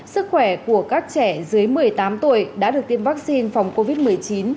sức khỏe của các trẻ dưới một mươi tám tuổi đã được tiêm vaccine phòng covid một mươi chín đều ổn định